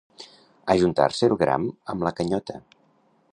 Ajuntar-se el gram amb la canyota.